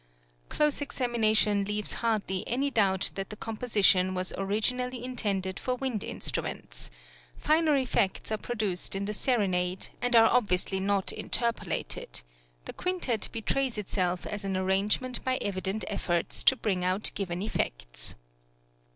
Close examination leaves hardly any doubt that the composition was originally intended for wind instruments; finer effects are produced in the serenade, and are obviously not interpolated; the quintet betrays itself as an arrangement by evident efforts to bring out given effects.